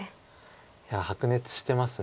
いや白熱してますね。